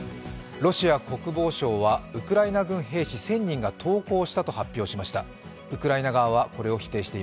ロシア国防省はウクライナ軍兵士１０００人が投降したと発表しました。